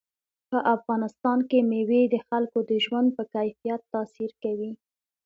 په افغانستان کې مېوې د خلکو د ژوند په کیفیت تاثیر کوي.